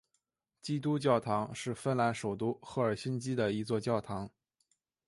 基督教堂是芬兰首都赫尔辛基的一座教堂。